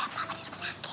mama di rumah sakit